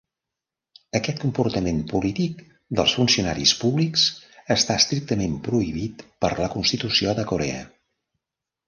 Aquest comportament polític dels funcionaris públics està estrictament prohibit per la constitució de Corea.